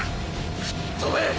吹っ飛べ！